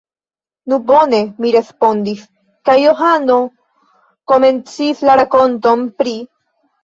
Nu, bone! mi respondis, kaj Johano komencis la rakonton pri: